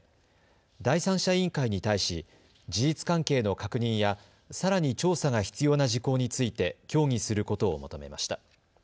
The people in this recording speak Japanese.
第三者委員会に対し、事実関係の確認やさらに調査が必要な事項について協議することを求めました。